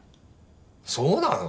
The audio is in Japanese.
そうなの？